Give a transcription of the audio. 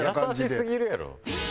優しすぎるやろ。